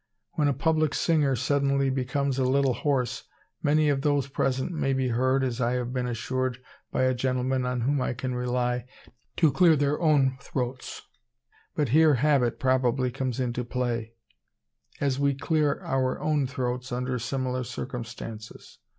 When a public singer suddenly becomes a little hoarse, many of those present may be heard, as I have been assured by a gentleman on whom I can rely, to clear their throats; but here habit probably comes into play, as we clear our own throats under similar circumstances.